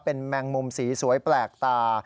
เป็นแมงมุมสีสวยแปลกตา